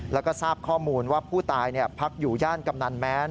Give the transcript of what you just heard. แล้วก็ทราบข้อมูลว่าผู้ตายพักอยู่ย่านกำนันแม้น